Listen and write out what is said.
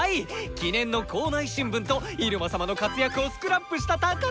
記念の校内新聞とイルマ様の活躍をスクラップした宝物です！